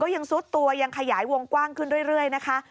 ยังซุดตัวยังขยายวงกว้างขึ้นเรื่อยนะคะ